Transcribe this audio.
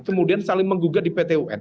kemudian saling menggugat di pt un